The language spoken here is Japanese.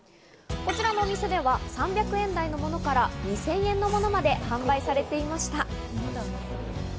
こちらの店では３００円台のものから２０００円のものまで販売されていました。